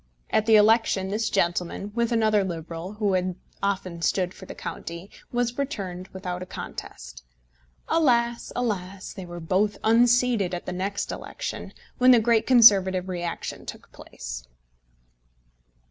At the election this gentleman, with another Liberal, who had often stood for the county, were returned without a contest. Alas! alas! They were both unseated at the next election, when the great Conservative reaction took place.